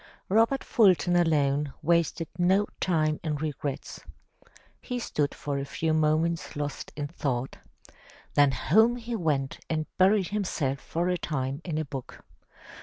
Robert Fulton alone wasted no time in regrets. He stood for a few moments lost in thought. Then home he went and buried himself for a time in a book.